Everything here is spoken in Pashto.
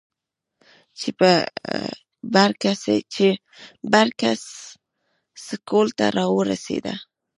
چې بر کڅ سکول ته راورسېدۀ ـ